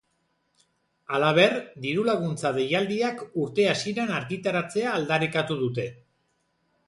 Halaber, diru-laguntza deialdiak urte hasieran argitaratzea aldarrikatu dute.